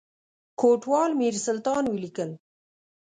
کوټوال میرسلطان ولیکل.